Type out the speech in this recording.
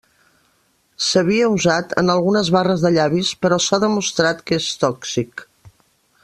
S'havia usat en algunes barres de llavis però s'ha demostrat que és tòxic.